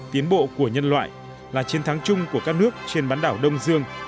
tiến bộ của nhân loại là chiến thắng chung của các nước trên bán đảo đông dương